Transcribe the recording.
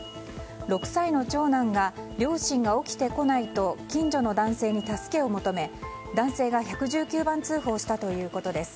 ６歳の長男が両親が起きてこないと近所の男性に助けを求め男性が１１９番通報したということです。